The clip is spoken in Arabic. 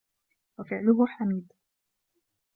وَفِعْلُهُ حَمِيدٌ